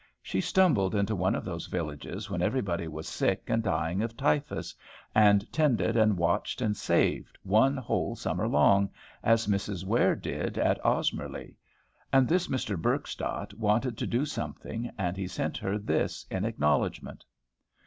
She stumbled into one of those villages when everybody was sick and dying of typhus, and tended and watched and saved, one whole summer long, as Mrs. Ware did at Osmotherly. And this Mr. Burchstadt wanted to do something, and he sent her this in acknowledgment."